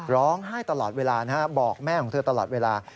ร้องไห้ตลอดเวลาบอกแม่ของเธอตลอดเวลา